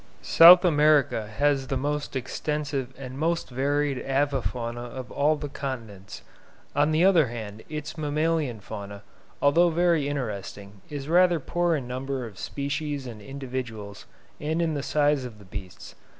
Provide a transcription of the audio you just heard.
South America has the most extensive and most varied avifauna of all the continents. On the other hand, its mammalian fauna, although very interesting, is rather poor in number of species and individuals and in the size of the beasts.